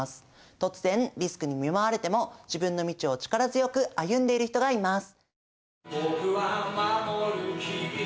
突然リスクに見舞われても自分の道を力強く歩んでいる人がいます。